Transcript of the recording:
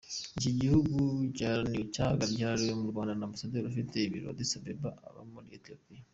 Iki gihugu gihagarariwe mu Rwanda na Ambasaderi ufite ibiro i Addis Ababa muri Ethiopia.